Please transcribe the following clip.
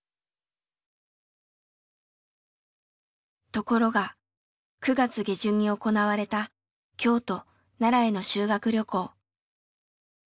ところが９月下旬に行われた京都・奈良への修学旅行。